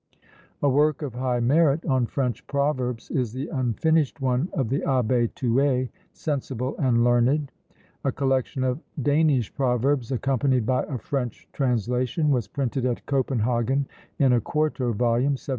A work of high merit on French proverbs is the unfinished one of the Abbé Tuet, sensible and learned. A collection of Danish proverbs, accompanied by a French translation, was printed at Copenhagen, in a quarto volume, 1761.